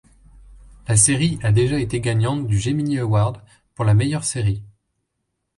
La série a déjà été gagnante du Gemini Award pour la meilleure série.